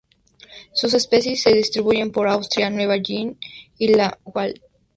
Sus especies se distribuyen por Australia, Nueva Guinea y la wallacea.